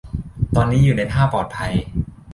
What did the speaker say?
ตอนนี้อยู่ในท่าปลอดภัย